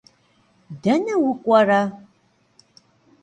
Dene vuk'uere?